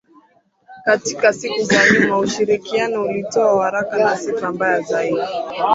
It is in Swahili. Katika siku za nyuma ushirikiano ulitoa waraka na sifa mbaya zaidi